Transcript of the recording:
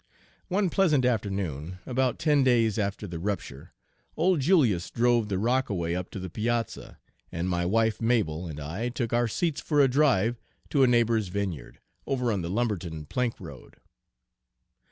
Page 199 One pleasant afternoon, ,about ten days after the rupture, old Julius drove the rockaway up to the piazza, and my wife, Mabel, and I took our seats for a drive to a neighbor's vineyard, over on the Lumberton plank road.